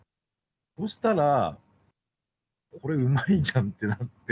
そしたら、これうまいじゃんってなって。